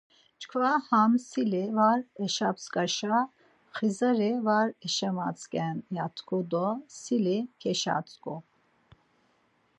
Çkva ham sili var eşap̌tzǩaşa xizari var eşematzǩen ya tku do sili keşatzǩu.